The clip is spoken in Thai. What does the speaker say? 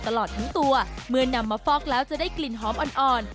ตลอดทั้งตัวเมื่อนำมาฟอกแล้วจะได้กลิ่นหอมอ่อน